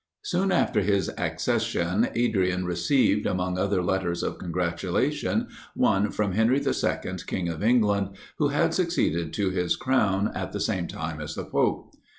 Soon after his accession, Adrian received, among other letters of congratulation, one from Henry II. king of England, who had succeeded to his crown at the same time as the pope.